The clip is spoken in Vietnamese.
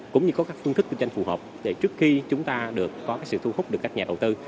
cũng như có các phương thức kinh doanh phù hợp để trước khi chúng ta được có sự thu hút được các nhà đầu tư